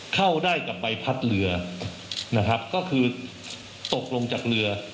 เข้าได้กับใบพัดเรือนะครับก็คือตกลงจากเรือ